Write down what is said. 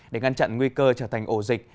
để ngăn chặn nguy cơ trở thành ổ dịch